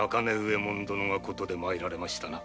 右衛門殿の事で参られましたな？